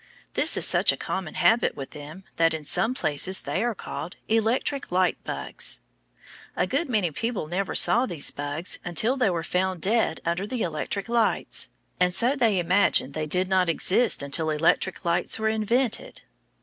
This is such a common habit with them that in some places they are called electric light bugs. A good many people never saw these bugs until they were found dead under the electric lights, and so they imagined they did not exist until electric lights were invented.